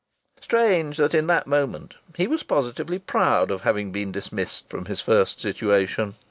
Strange that in that moment he was positively proud of having been dismissed from his first situation!